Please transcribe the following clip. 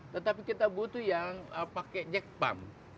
tetapi kita butuh yang pakai jack pump